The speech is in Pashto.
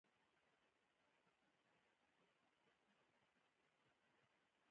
کله چې پاک اوصاف شي نو بيا يې په مشرتوب مني.